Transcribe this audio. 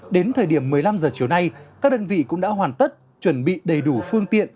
đến thời điểm một mươi năm h chiều nay các đơn vị cũng đã hoàn tất chuẩn bị đầy đủ phương tiện